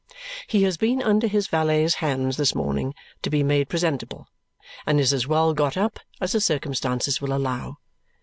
He has been under his valet's hands this morning to be made presentable and is as well got up as the circumstances will allow.